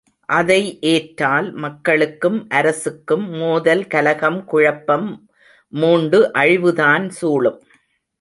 அதை ஏற்றால், மக்களுக்கும் அரசுக்கும் மோதல், கலகம், குழப்பம் மூண்டு அழிவுதான் சூழும்.